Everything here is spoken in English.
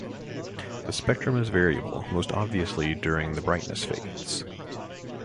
The spectrum is variable, most obviously during the brightness fades.